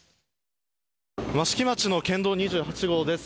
益城町の県道２８号です。